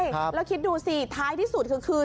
แล้วคิดดูสิท้ายที่สุดคือ